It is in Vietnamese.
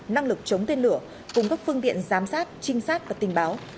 năng lực chống tên lửa cung cấp phương tiện giám sát trinh sát và tình báo